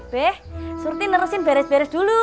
be suruh tinerusin beres beres dulu